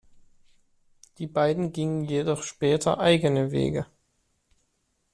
Die beiden gingen jedoch später eigene Wege.